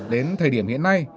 đến thời điểm hiện nay